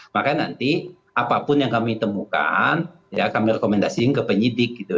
makanya nanti apapun yang kami temukan ya kami rekomendasikan ke penyidik gitu